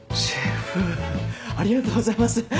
シェフありがとうございます。